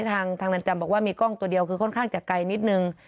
ทางเรือนจำบอกว่ามีกล้องตัวเดียวคือค่อนข้างจะไกลนิดนึง